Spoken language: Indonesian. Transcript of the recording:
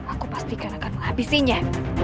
aku pastikan akan menghabisinya